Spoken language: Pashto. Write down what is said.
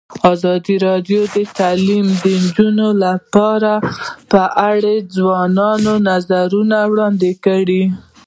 ازادي راډیو د تعلیمات د نجونو لپاره په اړه د ځوانانو نظریات وړاندې کړي.